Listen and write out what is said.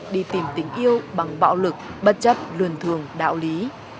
đi tìm tình yêu bằng bạo lực bất chấp luân thường đạo lý